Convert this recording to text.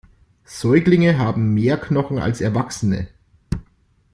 Säuglinge haben mehr Knochen als Erwachsene.